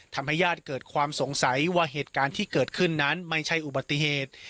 ทำให้ญาติเกิดความสงสัยว่าเหตุการณ์ที่เกิดขึ้นนั้นไม่ใช่อุบัติเหตุ